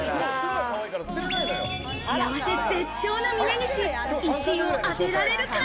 幸せ絶頂の峯岸、１位を当てられるか？